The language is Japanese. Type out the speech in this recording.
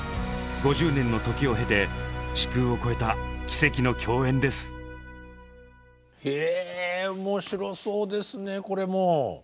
５０年の時を経て時空を超えた奇跡の共演です！へ面白そうですねこれも。